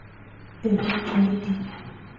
El Poeta